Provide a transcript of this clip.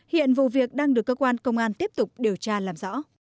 hiện vụ việc đang được cơ quan công an tiếp tục điều tra làm rõ